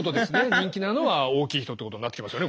人気なのは大きい人ってことになってきますよね